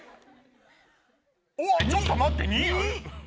ちょっと待って！